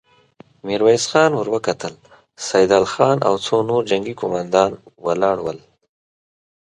ميرويس خان ور وکتل، سيدال خان او څو نور جنګي قوماندان ولاړ ول.